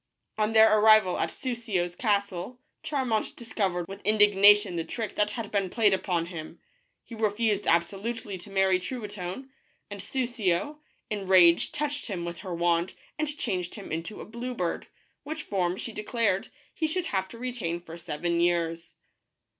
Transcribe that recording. On their arrival at Soussio's castle, Charmant discovered with indignation the trick that had been played upon him. He refused absolutely to marry Truitonne, and Soussio, in a rage, touched him with her wand and changed him into a blue bird, which form, she declared, he should have to retain for seven years.